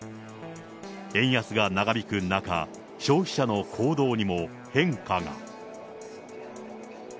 円安が長引く中、消費者の行動にも変化が。